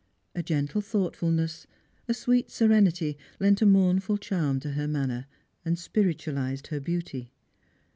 A gentle thoughtfulness, a sweet serenity, lent a mournful charm to her manner, and spiritualised her beauty.